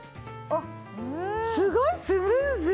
あっすごいスムーズ！